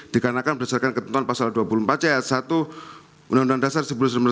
dikarenakan berdasarkan ketentuan pasal dua puluh empat c satu undang undang dasar seribu sembilan ratus empat puluh